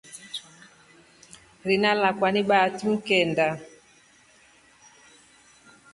Rina lakwa ni Bahati mkenda.